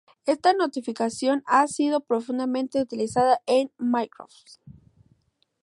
Esta notación ha sido profusamente utilizada en Microsoft.